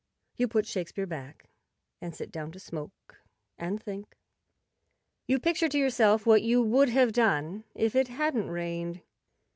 You put Shakespeare back, and sit down to smoke and think. You picture to yourself what you would have done if it hadn't rained.